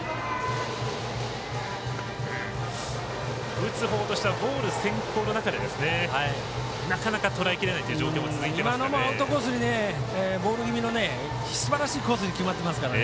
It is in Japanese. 打つほうとしてはボール先行の中でなかなかとらえきれないという状況が続いていますね。